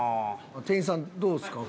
店員さんどうですか？